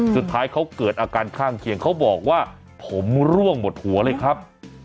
สุดท้ายเขาเกิดอาการข้างเคียงเขาบอกว่าผมร่วงหมดหัวเลยครับ